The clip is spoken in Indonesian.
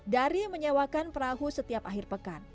dari menyewakan perahu setiap akhir pekan